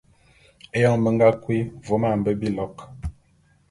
Eyon be nga kui vôm a mbe bilok.